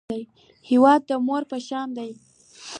هېواد د مور په شان دی